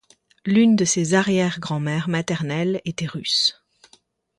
L'une de ses arrière-grands-mères maternelles était russe.